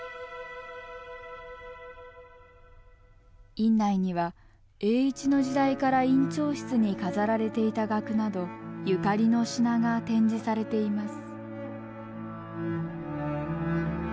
院内には栄一の時代から院長室に飾られていた額などゆかりの品が展示されています。